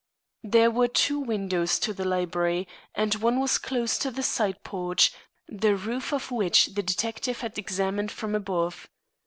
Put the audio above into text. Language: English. There were two windows to the library, and one was close to the side porch, the roof of which the detective had examined from above.